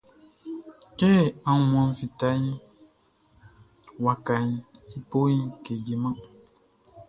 Kɛ aunmuanʼn fitaʼn, wakaʼn i boʼn kejeman.